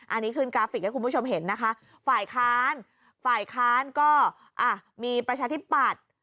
อันนี้ขึ้นกราฟิกให้คุณผู้ชมเห็นนะคะฝ่ายค้านฝ่ายค้านก็อ่ะมีประชาธิปัตย์